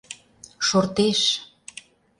— Шортеш.